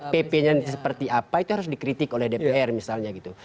pp nya seperti apa itu harus dikritik oleh dpr misalnya gitu